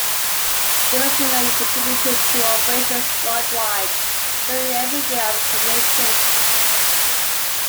The regiment contributed to operations world-wide during every year of its formation.